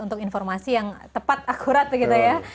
untuk informasi yang tepat akurat begitu ya